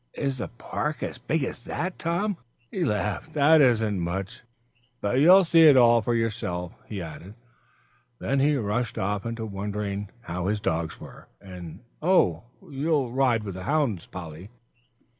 "Is the park as big as that, Tom?" He laughed. "That isn't much. But you'll see it all for yourself," he added. Then he rushed off into wondering how his dogs were. "And, oh, you'll ride with the hounds, Polly!"